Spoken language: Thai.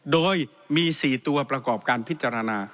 โดยมี๔ตัวประกอบการพิจารณา